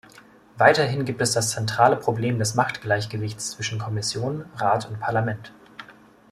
Weiterhin gibt es das zentrale Problem des Machtgleichgewichts zwischen Kommission, Rat und Parlament.